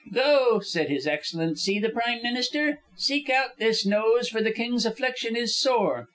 "'Go,' said His Excellency the Prime Minister. 'Seek out this nose, for the King's affliction is sore.